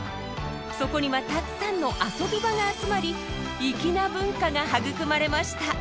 そこにはたくさんの遊び場が集まり粋な文化が育まれました。